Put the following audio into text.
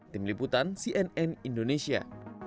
tim liputan cnn indonesia